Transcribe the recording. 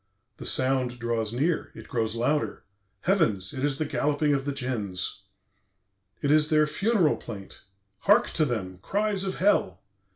"The sound draws near. It grows louder! Heavens! It is the galloping of the Djinns. "It is their funeral plaint. Hark to them! Cries of Hell!